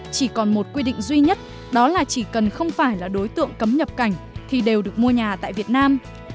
chỉ còn một quy định duy nhất đó là chỉ cần không phải là đối tượng cấm nhập cảnh thì đều được mua nhà tại việt nam